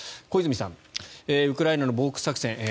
小泉さん、ウクライナの防空作戦